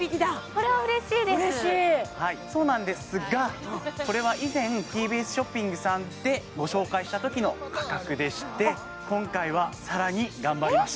これは嬉しいです嬉しいそうなんですがこれは以前ＴＢＳショッピングさんでご紹介したときの価格でして今回はさらに頑張りました